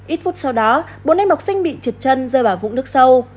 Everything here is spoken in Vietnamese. ít phút sau đó bốn em học sinh bị trượt chân rơi vào vũng nước sâu